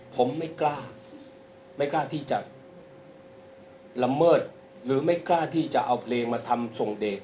ผมไม่กล้าไม่กล้าที่จะละเมิดหรือไม่กล้าที่จะเอาเพลงมาทำส่งเด็ก